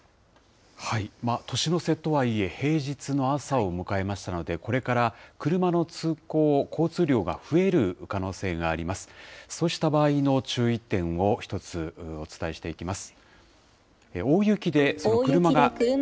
年の瀬とはいえ平日の朝を迎えましたので、これから車の通行、交通量が増える可能性があります。